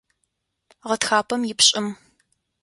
Гъэтхапэм ипшӏым.